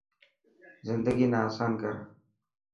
زندگي نا آسان ڪر.